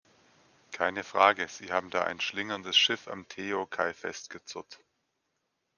Keine Frage, Sie haben da ein schlingerndes Schiff am Tejo-Quai festgezurrt.